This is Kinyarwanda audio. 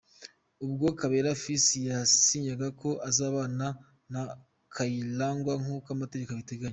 Ubwo Kabera Fils yasinyaga ko azabana na Kayirangwa nk'uko amategeko abiteganya.